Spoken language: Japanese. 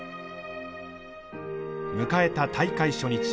迎えた大会初日。